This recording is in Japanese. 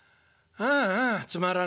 ああつまらねえ」。